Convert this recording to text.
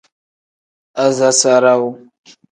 Asasarawu.